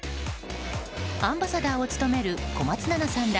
アンバサダーを務める小松菜奈さんら